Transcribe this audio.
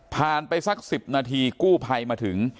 ผ่านไปสักสิบนาทีกู้ภัยมาถึง